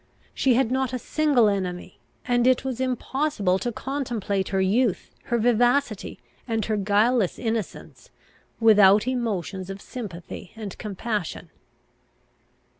She had not a single enemy; and it was impossible to contemplate her youth, her vivacity, and her guileless innocence, without emotions of sympathy and compassion.